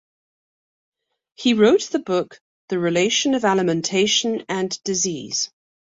He wrote the book "The Relation of Alimentation and Disease".